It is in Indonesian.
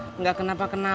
buat apa nanti sampai ini